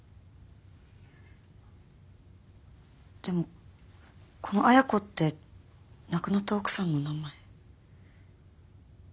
でもこの彩子って亡くなった奥さんの名前？